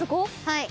はい。